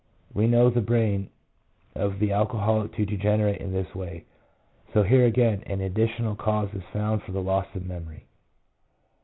We know the brain of the alcoholic to degenerate in this way, so here again an additional cause is found for the loss of memory.